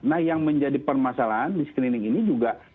nah yang menjadi permasalahan di screening ini juga